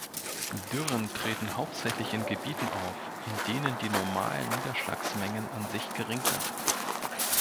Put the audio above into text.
Dürren treten hauptsächlich in Gebieten auf, in denen die normalen Niederschlagsmengen an sich gering sind.